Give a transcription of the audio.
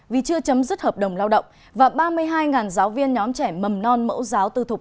vì chưa chấm dứt hợp đồng lao động và ba mươi hai giáo viên nhóm trẻ mầm non mẫu giáo tư thục